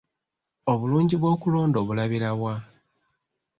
Obulungi bw'okulonda obulabira wa?